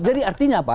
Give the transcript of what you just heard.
jadi artinya apa